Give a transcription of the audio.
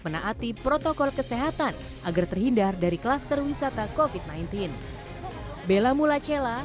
menaati protokol kesehatan agar terhindar dari klaster wisata covid sembilan belas bella mulacella